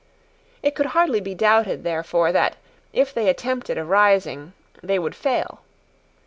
It could hardly be doubted, therefore, that, if they attempted a rising, they would fail.